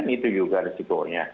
itu juga resikonya